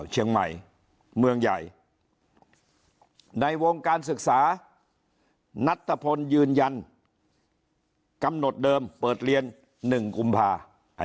เชียงใหม่เมืองใหญ่ในวงการศึกษานัตตะพลยืนยันกำหนดเดิมเปิดเรียน๑กุมภา